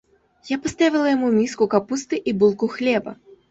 Я паставіла яму міску капусты і булку хлеба.